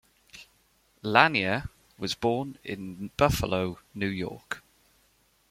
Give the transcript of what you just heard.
Lanier was born in Buffalo, New York.